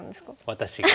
私が。